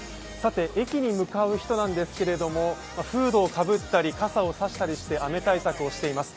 駅に向かう人なんですけど、フードをかぶったり傘を差したりして雨対策をしています。